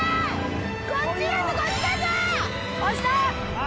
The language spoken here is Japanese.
こっちだぞこっちだぞあ